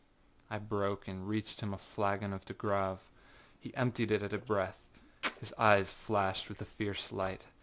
â I broke and reached him a flagon of De Grâve. He emptied it at a breath. His eyes flashed with a fierce light.